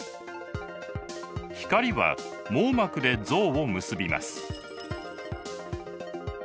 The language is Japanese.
光は網膜で像を結びます。